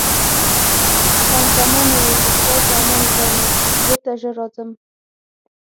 خان زمان وویل: د خدای په امان ګرانې، بېرته ژر راځم.